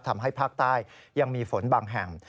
ทำให้ภาคใต้ยังมีฝนบางแห่ง